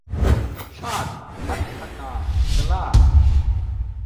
ชาติพัฒนากล้า